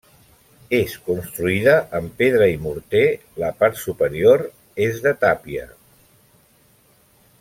És construïda amb pedra i morter, la part superior és de tàpia.